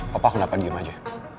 papa kenapa diem aja